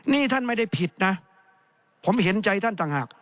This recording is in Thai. นี่ท่านไม่ได้ผิดนะผมเห็นใจท่านต่างหาก